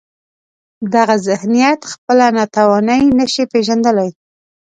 دغه ذهنیت خپله ناتواني نشي پېژندلای.